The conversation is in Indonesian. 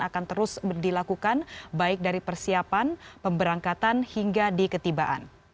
akan terus dilakukan baik dari persiapan pemberangkatan hingga di ketibaan